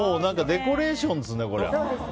デコレーションですね、これは。